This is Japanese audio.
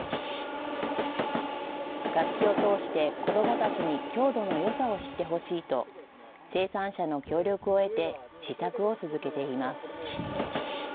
楽器を通して子どもたちに郷土のよさを知ってほしいと、生産者の協力を得て、試作を続けています。